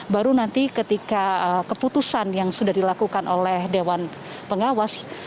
baru nanti ketika keputusan yang sudah dilakukan oleh dewan pengawas